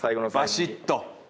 バシッと。